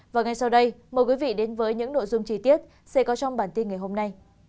và ngay sau đây mời quý vị đến với những nội dung chi tiết sẽ có trong bản tin ngày hôm nay